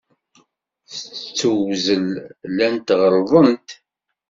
S tewzel, llant ɣelḍent.